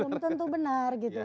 belum tentu benar gitu